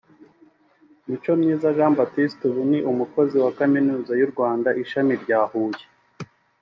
Micomyiza Jean Baptiste ubu ni umukozi wa Kaminuza y’u Rwanda ishami rya Huye